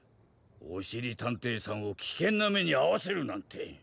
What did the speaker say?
おしりたんていさんをきけんなめにあわせるなんて！